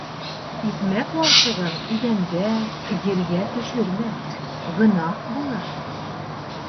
Икмәк валсығын иҙәнгә, ергә төшөрмә: гонаһ булыр.